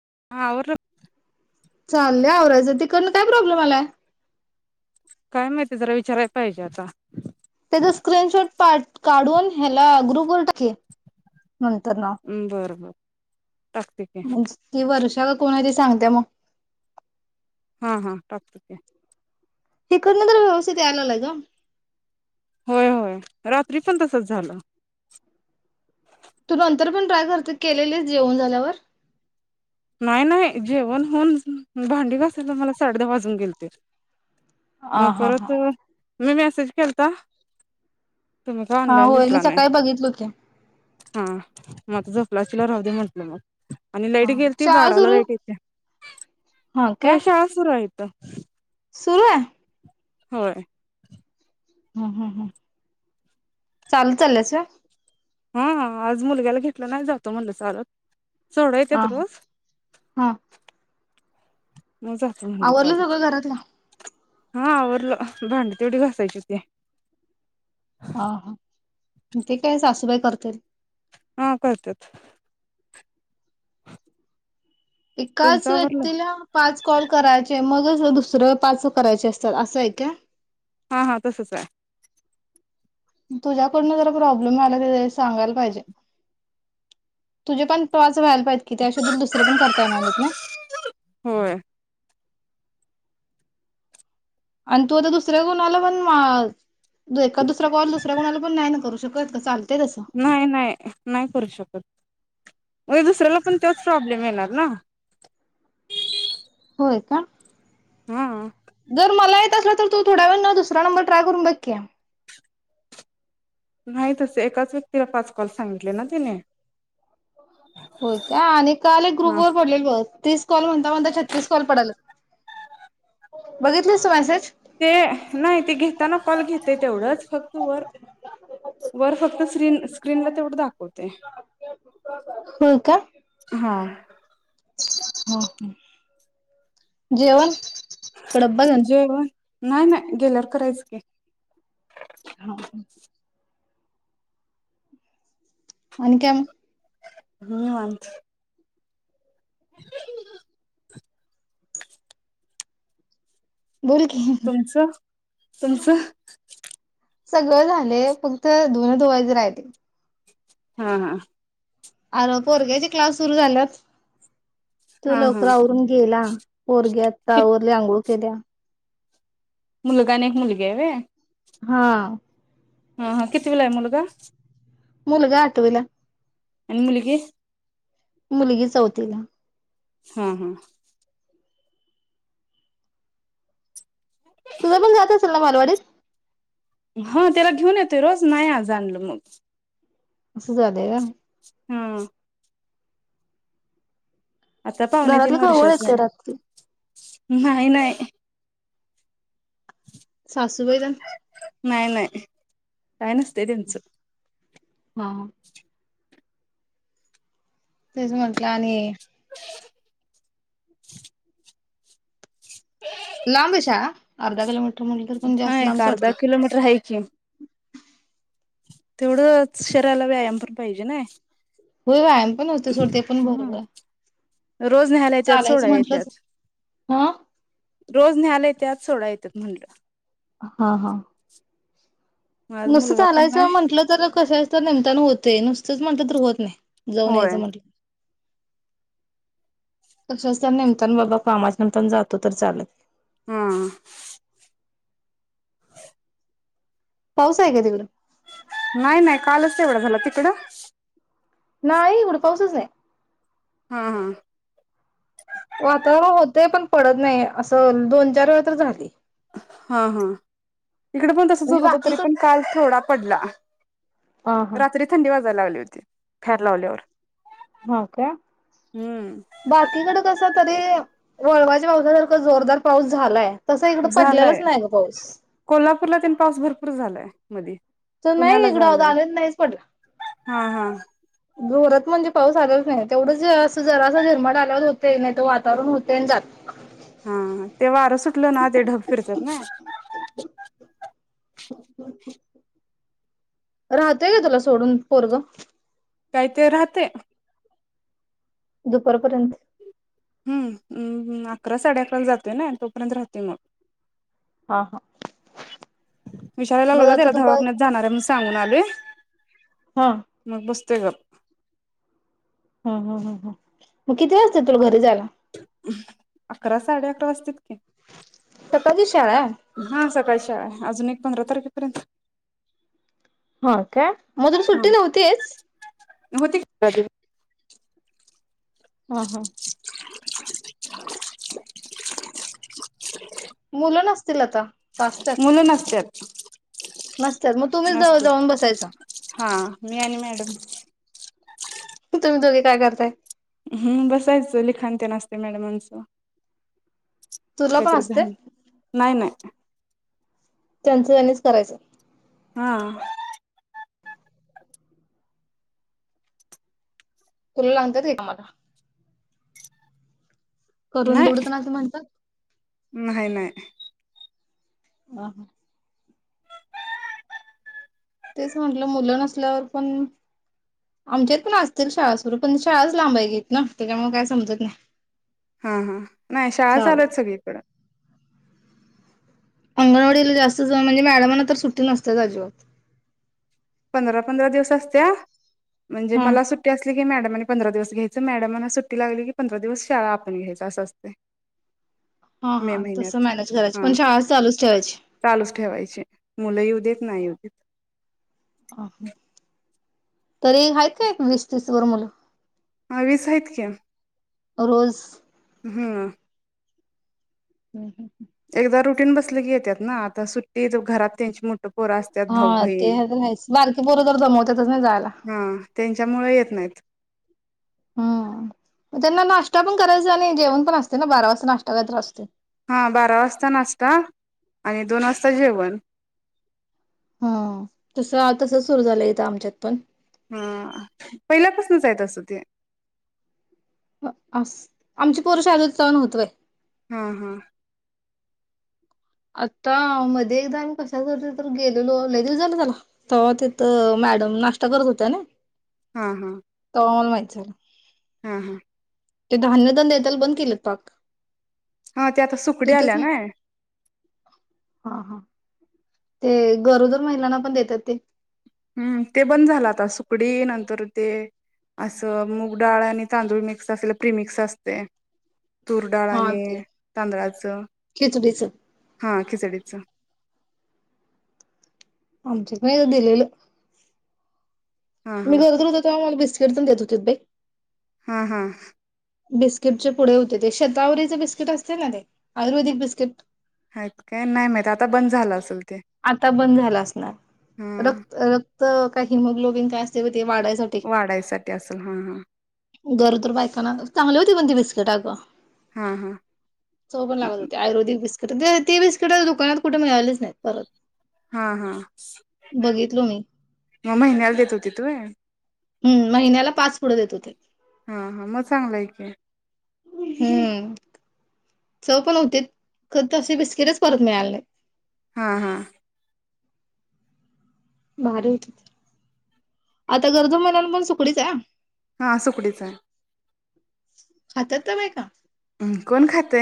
[unintelligible] चाललं आवरायचं तिकन काय प्रॉब्लेम आलाय. काय माहिती जरा विचारायला पाहिजे आता तेचा स्क्रीनशॉट. काढून ह्याला ग्रु कर टाके. नंतर ना म्म बर बर. टाकते की म्हणजे वर्षा कोणा त सांगते मग हा हा टाकतक हे करन तर व्यवस्थित आलाला ग. होय होय रात्री पण तसच झालं. तू नंतर पण ट्राय करते केलेली जेवन झाल्यावर नाही नाही जेवण होऊन भांडी घासायला मला साडे दहा वाजून गेल ते. आ अ हा हा परत म मेसेज करता तुम्ही का हा ऑनलाईन होय मी दिसला नाही सकाळी बघितलो की हा म क्लासला राह दे म्हटलं मग आणि लईड गे ते शाळा बाराला सुरू लाईट येत्या हा होय काय शाळा सु येत. सुरू ये. होय. ह ह ह चाल चालेस व्हय. हा आज मुलग्याला घेतला नाही जातो म्हणलं चालत सोड हा येत्यात रोज हा. मग जातो म्हणलं आवरलं चालत सगळं घरातल. हा आवरलं भांड तेवढी घासायची की हा हा ते काय सासूबाई करतील. हा करत्यात. तुमचं एकाच आवरलं व्यक्तीला पाच कॉल करायचे मगच दुसरं पाच करायचे असतात असं आहे काय. हा हा तसच आहे. तझ्याकडून जरा प्रॉब्लेम आला सांगायला पाहिजे तुझे पण पाच व्हायल पाहिजे कि ते शोध दुसरे पण करता. [unintelligible] होय आणि तू आता दुसऱ्या कोणाला पण एकासराऱ्या कोणाला दुसऱ कोणाला पण नाही करू शक कयेत का चाल नाही नाही नाही करू शकत. मग दुसऱ्याला पण तेच प्रॉब्लेम येणार ना. होय का. हा जर मला ला तर तो थोड्या वेळ न दुसरा नंर ट्रय करून बघ की. नाही तस एकाच व्यक्तीला पाच कॉल सांगितले ना तिने हो का आणि काल एक ग्रुप हा वर पडलेल बस तीस कॉल म्हणता म्हणता छत्तीस कॉल पडल्यात. बघितलीस तू मॅसेज ते नाही ते घेताना कॉल घेते तेवढंच फक्त वर वर फक्त स्क्रीन स्क्रीनला तेवढं दाखव त ये होय हा. ह जेवण इकडं बघ आणि जेवन. नाही नाही गेल्यावर करायचं की. हा आणि काय म. न्यू मथ बोल की तुमचं तुमचं सगळं झाले फक्त धोन धुवायचे राहते हा हा अर पोरग्याचे क्लास सुरू झालात तू हा हा लवकवरून गेला पोरग्यात कि तवरल्या आंघोळ केल्या मुलगा आणि एक मुलगी आहे र हा हा हा किती वेला आहे मुलगा मुलगा आठवीला निंगिक मुलगी चौथीला हा हा तुझा पण जात असेल मला वा हा त्याला घेऊन येतोय रोज नाही जाणलं मग अस जा दे का हम आता पावणे तीन घरातली कावळ वर्षाच आहेत आहे का रात्री नाही नाही सासूबाईदण नाही नाही कायन असतते त्यांच हा तेच म्हटलं आणि लांबेच्या अर्धा किलोमीटर म्हटलं तर पण हा जास्त एक लांबच अर्धा वाटते. किलोमीटर आहे कि तेवढं शरीराला व्यायाम पण पाहिजे ना हो वयाम पण होतो सोडते पण ह बरोबर रोज नहायला येत सोडा चालायचं येत म्हंटलंच हा रोज नयला त्याच सोडा येतात म्हटलं आज नुसं मुलगा पण चालायचं नाही म्हटलं तर कशा तर नेमताना होते नुसत तच म्हटलं ुहत नाही जाऊन होय यायचं म्हटलं तशच त्या निमतान बाबा कामाच्या निमता जातो तर चालत हा पाऊस आहे का तिकडं नाही नाही कालच तेवढा झाला तिकडं नाही उडपाऊसच नाही हा हा वातावरण होतय पण पडत नाही असं दोन चार वेळ तर झाली हा हा इकडे पण तसच म्हणजे होत होत तरी बाकीकड पण काल थोडा पडला ह हा रात्री थंडी वाज लावली होती फ्यार लावल्यावर हा का हम्म. बाकीकड कस तरी वळवाच्या पावसासारखं का जोरदार पाऊस झालाय तसा इकडं पडलेलाच झालाय नाही ग पाऊस कोल्हापूरलातेन पाऊस भरपूर झालाय मध तर नाही पुण्याला इकडं झालाय दाणेच नाहीच हा हा जोरत म्हणजे पाऊस आलाच नाही तेवढंच अस जरासा झरमाट आला होते नाही तर वातावरण होते आणि जात हा हा ते वार सुटलं ना ते ढग फिरतात ना राहतोय का तुला सोडून पोरगं ते राहते दुपारपर्यंत हम्मम अकरा साडे अकराला जातोय ना तोपर्यंत राहततो य मग मग विशाारलालला आता त्याला दुपार धवाकण्यात जाणार आहे म सांगून आले हा मग बस पुतक हम हम हम ह मग किती वाजते तुला घरी जायला अकरा साडे अकरा वाजतेत तपाची शाळाय हा सकाळी अजून एक पंधरा तारखेपर्यंत हो का मग तुल हा सुट्टी नव्हतीच होती [unintelligible] हम हा मुलं नसतील आता मुलं ना नसत्यात ह नसत्यात मग तुम्हीच जाऊन बसायच हा मी आणि मॅडम तुम्ही दोघे काय करताय हम्म बसायचं लिखाण ते नसते मॅडमांचं तुला पण त्यातध असते नाही नाही त्यांंचनेच करायचं हा कुल आणतात का मला करून दे नाही एवढं न ते असं म्हणतात नाही नाही. अ ह तेच म्हटलं मुलं नसल्यावर पण आमच्यात पण असतील शाळासवरू पण शाळाच लांबाय घेत ना त्याच्यामुळे काय समजत नाही हा हा नाही शाळा चालत चालेल सगळीकड अंगणवाडीला जास्त ज म्हणजे मॅडमांना तर सुट्टी नसते अजिबत पंधरा पंधरा दिवस असत्या म्हणजे हम्म. मला सुट्टी असली मॅडमनी पंधरा दिवस घ्यायचं मॅडमना सुट्टी लागली की पंधरा दिवस शाळा आपण घ्यायच असं असते हा हा तस मॅनेज करायची पण शाळा चालूच ठेवायची चालूच ठेवायची मुलं येु देत नाही येुदेत अा तरी आहेत का एक वीस तीस सुर्मुल हवीसत क रोज हम्म हम् हम् एकदा रुटीन बसले की येतात ना आता सुट्टी घरात त्यांची मोठ हा ते तरच बारकी पोरं जर जमवतातच नाही जायला हा त्यांच्यामुळे येत नाहीत हम् त्यांना नाश्ता पण करायचा आणि जेवण पण असते ना बारा वाजता नाश्ता करायच असते हा बारा वाजता नाश्ता आणि दोन वाजता जेवण हा तस तस सुरू झालंयथं आमच्यात पण हा पहिल्यापासूनच येत असं ते अस आमची पोरषाजच चन होतोय हम् हम् आता मध्ये एकदा आम्ही कशासाठी तर गेलेलो ललेगेल झालं त्याला ते्हा तिथं मॅडम नाश्ता करत होत्या ना हा हा कमल माचर हा हा ते धान्यदान द्याताल बंद केलेत पाक हा ते आता सुकडी तिथंच आल्या नाय हा हा ते गरोदर महिलांना पण देतात ते हम्म ते बंद झालं आता सुकडी नंतर ते असं मूग डाळ आणि तांदूळ मिक्स असलेला प्रीमिक्स असते तूर डाळ हा आणि ते तांदळाचं खिचडीच हा खिचडीचं आम चकन दिलेलं हा हा मीला देत होते बा हम् हम् बिस्किटचे पुढे होते ते शेतावरीचे बिस्किट असते ना ते आयुर्वेदिक बिस्किट आहेत काय नाही माहित आता बंद झालं असेल ते आता बंद झाला असणार हा रक्त रक् काही मग लोबिन काय असते वाढायसाठी वाढायसाठी असेल हा हा घर तर बायकांना चांगले हो बंद बिस्केट आगो हा चो पण लागत होते आयुर्वेदिक वि ती बिस्कट दुकानात कुठ मिळालीच नाही परत हा हा बघितलो मी मग महिन्याला देत होती तू हम्म महिन्याला पाच पुढे देत होते हा हा मग चांगलं आहेक हम्म च पण होते ख ते बिस्किटच परत मिळाले नाही हा हा भारी होती आता गर्द महिनन पण सुकडीच आहे हा आ अस पुडीच आहे खातात ना बा का ् कोण खात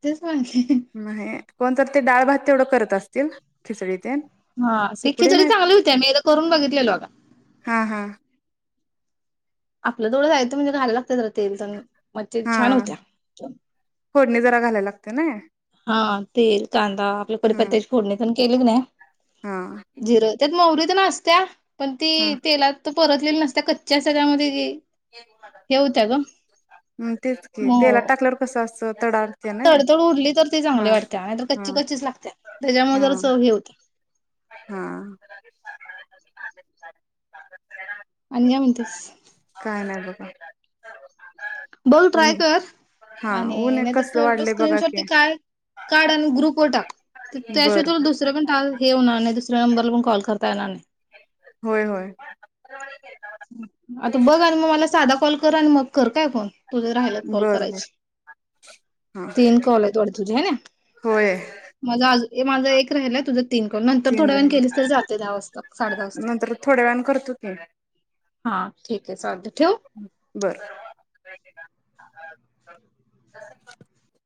ते कोणत ते डाळ भात तेवढं करत असतील खिचडी तेन हा ते सुकडी खिचडी नाहीत चांगली होत्या मी एकदा ते करून बगतलो होतो हा हा आपलं डोळं जायचं म्हणजे घायला लागत जरा तेल तर म हा फोडणी जरा घालायला लागत त्या नाही हा तेल कांदा आपल्याकडे हा पत्त्या फोडणे केलग नाही हा जिरं त्यात मवरी तिनं असत्या पण हा ती तेलात परतलेल्या नसत्या कच्च्या असत त्यामध्ये हे होत्या ग हम् तेच कि तेलात मग टाकल्यावर कसं अस तडतड उरली तर ते चांगली हा वाटते आणितर हा कच्ची कच्चीच लागते त्याच्यामुळे हा जर चव हे होतं हा आणि काय म्हणतीसं काय नाही बघा बघ ट्राय ऊन कर हा आणि ऊन एक नाहीतर कसलं फोटो वाढलंय स्क्रीन बघा शॉट ते की काय काढ आणि ग्रुपवर टाक त्याशिवाय बर तुला बर दुसरं पण हे होणार दुसऱ्या नंबरहून कॉल करता येणार नाही होय होय आता बघ आणि मग मला साधा कॉल आणि मग कर काय फोन तुझ्या राहायला कॉल बर बर करायची हा तीन कॉल आहेत वाटत तुझी आहे ना. होय माझाज माझा एक राहिलय तुझं तीन करून नंतर तीन थोड्या वेण राहिले केलीस तरी जाते दहा वाजता साडे दहा वाजता नंतर थोड्या वेळान करतो की हा ठीक आहे चालतंय ठेवू. बर [inaudible]